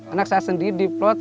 anak saya sendiri diplot